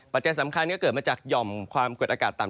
สำคัญก็เกิดมาจากหย่อมความกดอากาศต่ำ